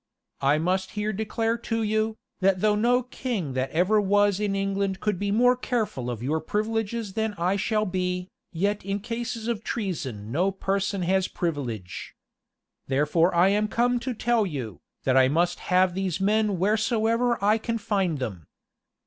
I must here declare to you, that though no king that ever was in England could be more careful of your privileges than I shall be, yet in cases of treason no person has privilege. Therefore am I come to tell you, that I must have these men wheresoever I can find them.